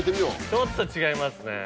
ちょっと違いますね。